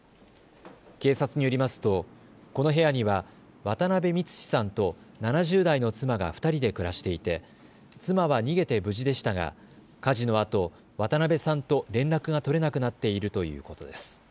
警察によりますとこの部屋には渡邊三士さんと７０代の妻が２人で暮らしていて妻は逃げて無事でしたが火事のあと渡邊さんと連絡が取れなくなっているということです。